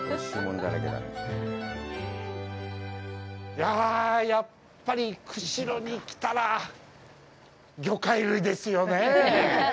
いや、やっぱり釧路に来たら魚介類ですよね。